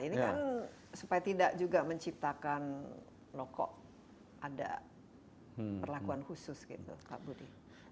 ini kan supaya tidak juga menciptakan rokok ada perlakuan khusus gitu pak budi